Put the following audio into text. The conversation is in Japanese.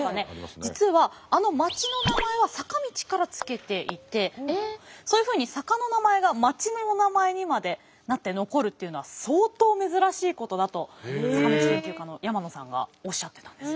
実はあの町の名前は坂道から付けていてそういうふうに坂の名前が町のお名前にまでなって残るっていうのは相当珍しいことだと坂道研究家の山野さんがおっしゃってたんです。